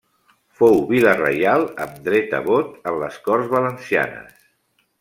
Fou vila reial amb dret a vot en les Corts Valencianes.